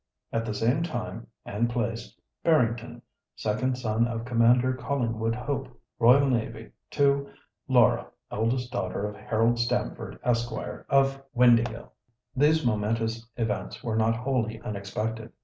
At the same time and place, Barrington, second son of Commander Collingwood Hope, R.N., to Laura, eldest daughter of Harold Stamford, Esq., of Windāhgil." These momentous events were not wholly unexpected.